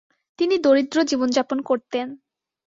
তিনি দরিদ্র জীবন যাপন করতেন।